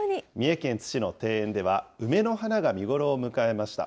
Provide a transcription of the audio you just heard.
三重県津市の庭園では、梅の花が見頃を迎えました。